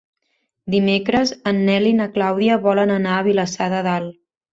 Dimecres en Nel i na Clàudia volen anar a Vilassar de Dalt.